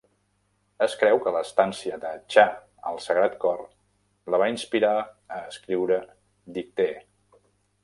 Es creu que l'estància de Cha al Sagrat Cor la va inspirar a escriure "Dictee".